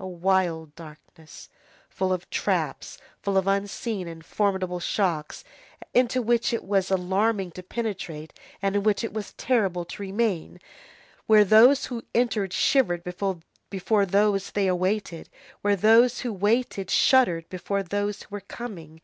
A wild darkness, full of traps, full of unseen and formidable shocks, into which it was alarming to penetrate, and in which it was terrible to remain, where those who entered shivered before those whom they awaited, where those who waited shuddered before those who were coming.